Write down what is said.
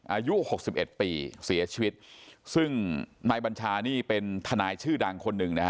อายุหกสิบเอ็ดปีเสียชีวิตซึ่งนายบัญชานี่เป็นทนายชื่อดังคนหนึ่งนะฮะ